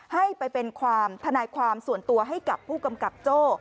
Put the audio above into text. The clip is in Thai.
ให้ไปเป็นความทนายความส่วนตัวให้กับผู้กำกับโจ้